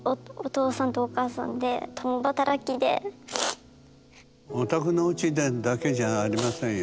それでお宅のうちだけじゃありませんよ